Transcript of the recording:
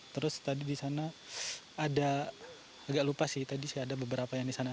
terus tadi di sana ada agak lupa sih tadi sih ada beberapa yang di sana